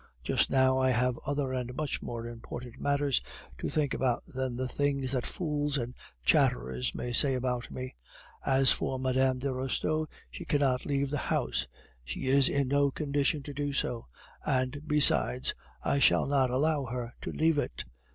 Just now I have other and much more important matters to think about than the things that fools and chatterers may say about me. As for Mme. de Restaud, she cannot leave the house; she is in no condition to do so. And, besides, I shall not allow her to leave it.